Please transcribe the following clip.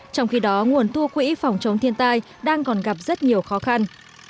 trong khi đó nguồn thu quỹ phòng chống thiên tai đang còn gặp rất nhiều khó khăn